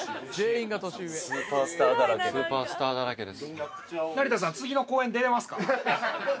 スーパースターだらけです。